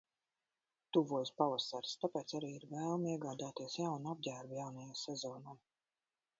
Tuvojas pavasaris, tāpēc arī ir vēlme iegādāties jaunu apģērbu jaunajai sezonai.